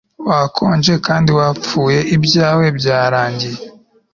Wakonje kandi wapfuye ibyawe byarangiye